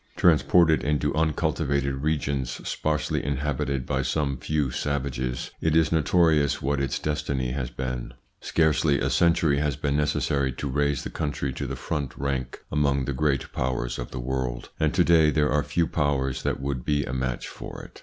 Transported into uncultivated regions, sparsely inhabited by some few savages, it is notorious what its destiny has been. Scarcely a century has been necessary to raise the country to the front rank among the great powers of the world, and to day there are few powers that would be a match for it.